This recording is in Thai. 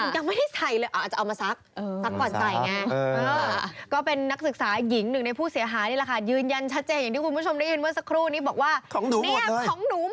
ตำรวจนี่ตกใจเลยทีเดียวเอาไปดู